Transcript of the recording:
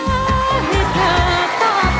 อยากจะรู้เกิดอะไรก็ตลอด